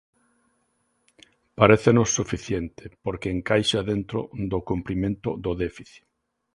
Parécenos suficiente porque encaixa dentro do cumprimento do déficit.